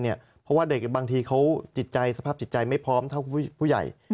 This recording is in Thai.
เพราะว่าเด็กบางทีเขาจิตใจสภาพจิตใจไม่พร้อมเท่าผู้ใหญ่